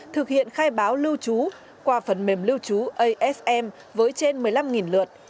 thực hiện khai báo lưu trú qua phần mềm lưu trú asm với trên một mươi năm lượt